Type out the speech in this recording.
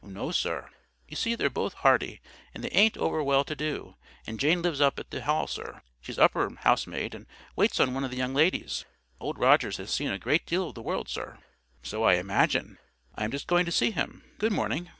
"No, sir. You see they're both hearty, and they ain't over well to do, and Jane lives up at the Hall, sir. She's upper housemaid, and waits on one of the young ladies.—Old Rogers has seen a great deal of the world, sir." "So I imagine. I am just going to see him. Good morning."